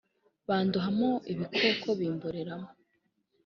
Bandohamo ibikoko Bimboreramo